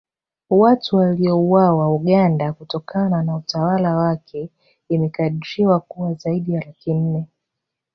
Watu waliouawa Uganda kutokana na utawala wake imekadiriwa kuwa zaidi ya laki nne